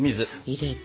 入れて。